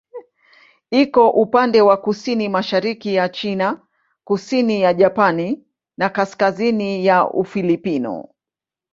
Iko upande wa kusini-mashariki ya China, kusini ya Japani na kaskazini ya Ufilipino.